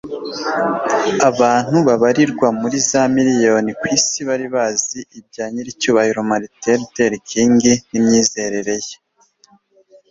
Abantu babarirwa muri za miriyoni kwisi bari bazi ibya nyiricyubahiro Martin Luther King nimyizerere ye